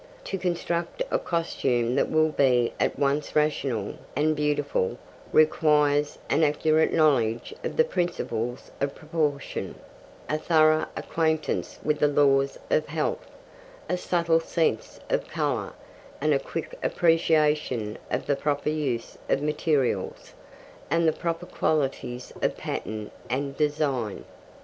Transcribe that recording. To construct a costume that will be at once rational and beautiful requires an accurate knowledge of the principles of proportion, a thorough acquaintance with the laws of health, a subtle sense of colour, and a quick appreciation of the proper use of materials, and the proper qualities of pattern and design.